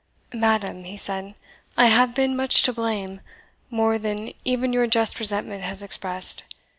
"Madam," he said, "I have been much to blame more than even your just resentment has expressed.